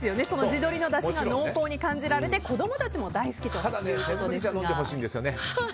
地鶏のだしが濃厚に感じられて子供たちも大好きということです。